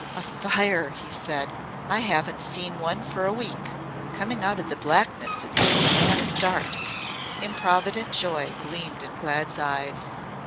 "A fire!" he said. "I haven't seen one for a week. Coming out of the blackness it gives a man a start." Improvident joy gleamed in Glad's eyes.